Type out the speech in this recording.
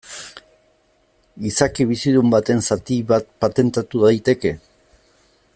Izaki bizidun baten zatia bat patentatu daiteke?